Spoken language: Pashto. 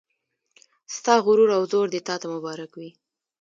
ستا غرور او زور دې تا ته مبارک وي